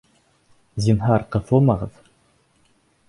Зинһар, ҡыҫылмағыҙ!